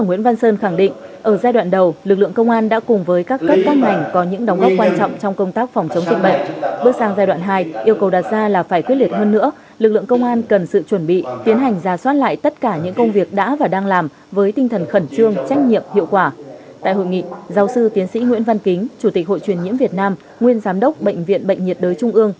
nguyễn văn kính chủ tịch hội truyền nhiễm việt nam nguyên giám đốc bệnh viện bệnh nhiệt đới trung ương